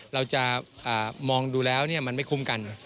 เราจะมองดูแล้วมันไม่คุ้มกัน